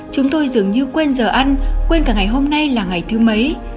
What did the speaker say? chúng tôi dường như quên giờ ăn quên cả ngày hôm nay là ngày thứ mấy